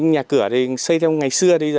nhà cửa xây theo ngày xưa